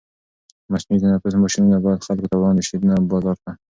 مصنوعي تنفس ماشینونه باید خلکو ته وړاندې شي، نه بازار ته.